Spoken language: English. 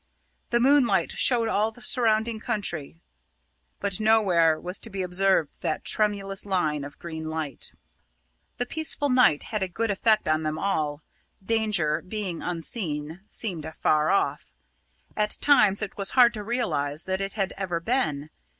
The moonlight showed all the surrounding country, but nowhere was to be observed that tremulous line of green light. The peaceful night had a good effect on them all; danger, being unseen, seemed far off. At times it was hard to realise that it had ever been.